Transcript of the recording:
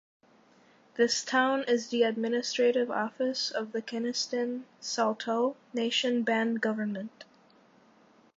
This town is the administrative office of the Kinistin Saulteaux Nation band government.